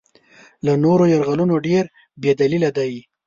له نورو یرغلونو ډېر بې دلیله دی.